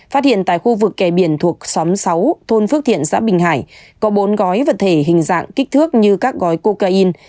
phát hiện tại khu vực kè biển thuộc xóm sáu thôn phước thiện xã bình hải có bốn gói vật thể hình dạng kích thước như các gói cocaine